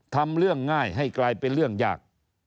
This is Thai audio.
ทำเรื่องง่ายให้กลายเป็นเรื่องยาก